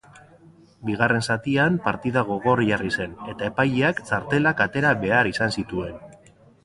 Bigarren zatian partida gogor jarri zen eta epaileak txartelak atera behar izan zituen.